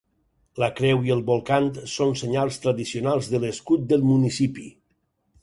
La creu i el bolcant són senyals tradicionals de l'escut del municipi.